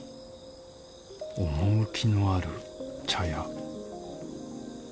趣のある茶屋。